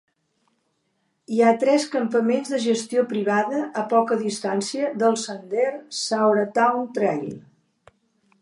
Hi ha tres campaments de gestió privada a poca distància del sender Sauratown Trail.